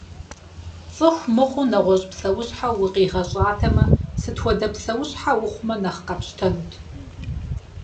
Цӏыху мыхъуу нэгъуэщӏ псэущхьэу укъигъэщӏатэмэ, сыт хуэдэ псэущхьэ ухъумэ нэхъ къэпщтэнут?